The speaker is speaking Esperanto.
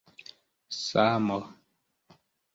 samo